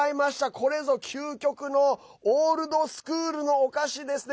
これぞ究極のオールドスクールのお菓子ですね。